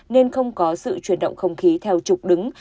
nên không có sự chuyển động không khí theo trục đứng